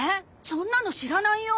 そんなの知らないよ。